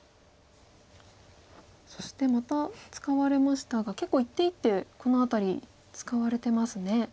そしてまた使われましたが結構一手一手この辺り使われてますね。